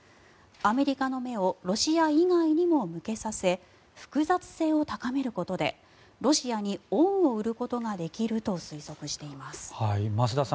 アメリカの目をロシア以外にも向けさせ複雑性を高めることでロシアに恩を売ることができると推測しています。